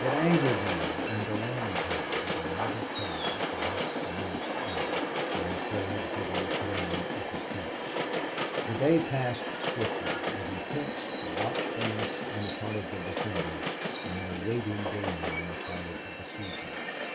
It angered Neale, and alarmed him, that another peril perhaps menaced Allie. And he prayed for the return of the troops. The day passed swiftly, in intense watchfulness on the part of the defenders, and in a waiting game on the part of the besiegers.